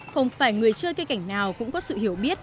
không phải người chơi cây cảnh nào cũng có sự hiểu biết